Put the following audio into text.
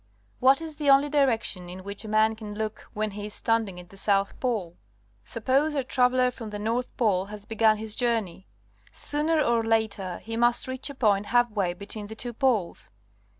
\Miat is the only direction in which a man can look when he is standing at the south pole? Suppose our traveller from the north pole has begun his journey. Sooner or later he must reach a point half way between the two poles.